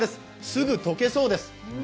すぐ溶けそうです。